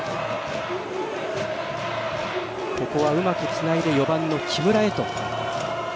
ここは、うまくつないで４番の木村へと。